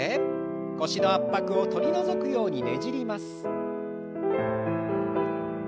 腰の圧迫を取り除くようにねじります。